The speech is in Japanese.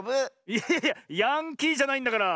いやいやいやヤンキーじゃないんだから！